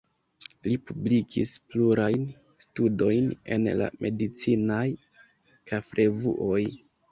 Li publikis plurajn studojn en la medicinaj fakrevuoj.